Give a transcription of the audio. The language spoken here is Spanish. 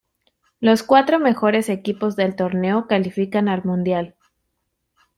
Los cuatro mejores equipos del torneo califican al mundial.